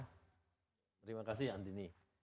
terima kasih andini